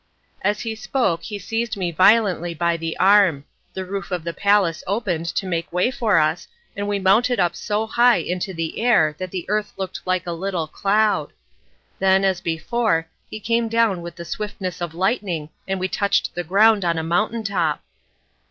As he spoke he seized me violently by the arm; the roof of the palace opened to make way for us, and we mounted up so high into the air that the earth looked like a little cloud. Then, as before, he came down with the swiftness of lightning, and we touched the ground on a mountain top.